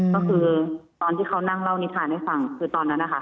ก็คือตอนที่เขานั่งเล่านิทานให้ฟังคือตอนนั้นนะคะ